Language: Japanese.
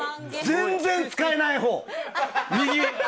全然使えないほう。